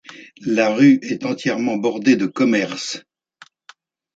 La rue est entièrement bordée de commerces.